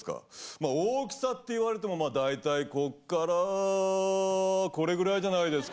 まあ大きさって言われても大体こっからこれぐらいじゃないですかね。